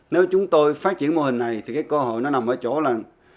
nếu chúng tôi phát triển mô hình này thì cái cơ hội nó nằm ở chỗ là